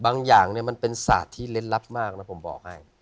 อย่างมันเป็นศาสตร์ที่เล่นลับมากนะผมบอกให้